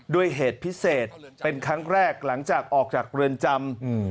ด้วยเหตุพิเศษเป็นครั้งแรกหลังจากออกจากเรือนจำ